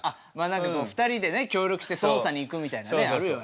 ２人でね協力してそうさに行くみたいなねあるよね。